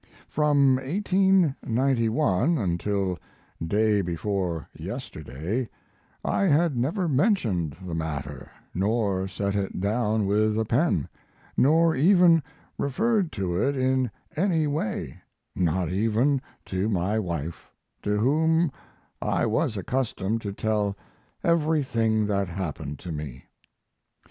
"From 1891 until day before yesterday I had never mentioned the matter, nor set it down with a pen, nor ever referred to it in any way not even to my wife, to whom I was accustomed to tell everything that happened to me.